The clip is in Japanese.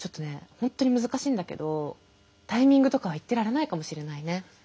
本当に難しいんだけどタイミングとかは言ってられないかもしれないね。